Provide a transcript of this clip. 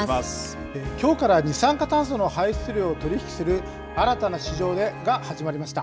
きょうから二酸化炭素の排出量を取り引きする新たな市場が始まりました。